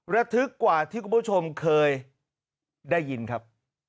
ระทึกกว่าที่คุณผู้ชมเคยได้ยินครับ